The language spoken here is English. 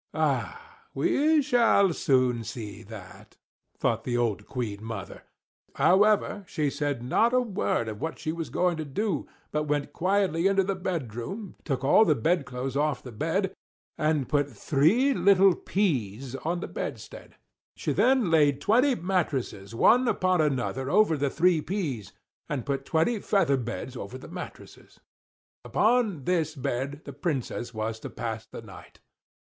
"Ah! we shall soon see that!" thought the old Queen mother; however, she said not a word of what she was going to do; but went quietly into the bedroom, took all the bed clothes off the bed, and put three little peas on the bedstead. She then laid twenty mattresses one upon another over the three peas, and put twenty feather beds over the mattresses. Upon this bed the Princess was to pass the night.